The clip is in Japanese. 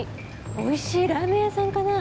おいしいラーメン屋さんかなぁ？